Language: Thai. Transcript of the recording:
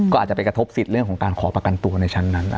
ก็อาจจะไปกระทบสิทธิ์เรื่องของการขอประกันตัวในชั้นนั้น